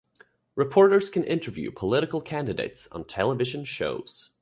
Reporters can interview political candidates on television shows.